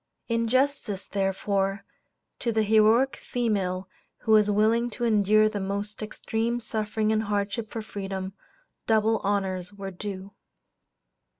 In justice, therefore, to the heroic female who was willing to endure the most extreme suffering and hardship for freedom, double honors were due.